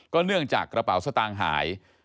เนื่องจากกระเป๋าสตางค์หาย